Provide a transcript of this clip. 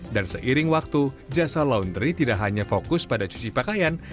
dan seiring waktu jasa laundry tidak hanya fokus pada cuci pakaian